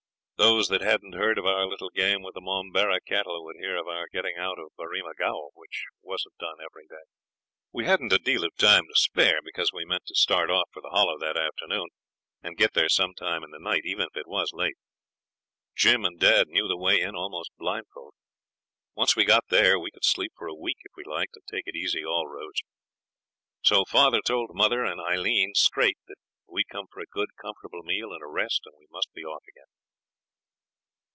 Those that hadn't heard of our little game with the Momberah cattle would hear of our getting out of Berrima Gaol, which wasn't done every day. We hadn't a deal of time to spare, because we meant to start off for the Hollow that afternoon, and get there some time in the night, even if it was late. Jim and dad knew the way in almost blindfold. Once we got there we could sleep for a week if we liked, and take it easy all roads. So father told mother and Aileen straight that we'd come for a good comfortable meal and a rest, and we must be off again.